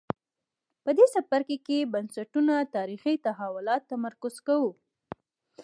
په دې څپرکي کې بنسټونو تاریخي تحولاتو تمرکز کوو.